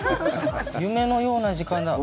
夢のような時間だ。